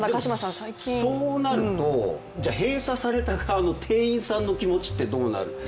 そうなると、閉鎖された側の店員さんの気持ちってどうなる？